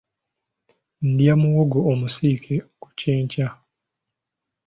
Ndya muwogo omusiike ku kyenkya.